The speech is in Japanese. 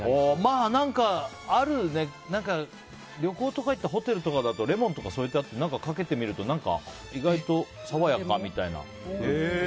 まあ、旅行とか行ってホテルとかだとレモンとか添えてあってかけてみると何か意外と爽やかみたいな。